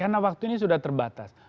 karena waktu ini sudah terbatas